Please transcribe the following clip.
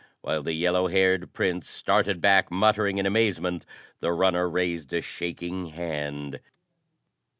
While the yellow haired Prince started back muttering in amazement, the runner raised a shaking hand.